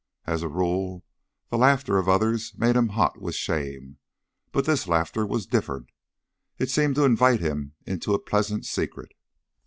As a rule the laughter of others made him hot with shame, but this laughter was different; it seemed to invite him into a pleasant secret.